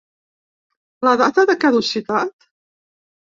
La data de caducitat?